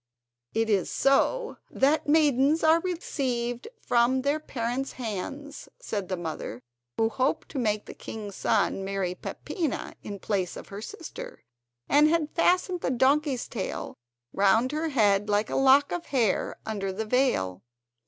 "It is so that maidens are received from their parents' hands," said the mother, who hoped to make the king's son marry Peppina in place of her sister, and had fastened the donkey's tail round her head like a lock of hair under the veil.